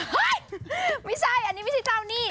ไม่ใช่อันนี้ไม่ใช่เจ้าหนี้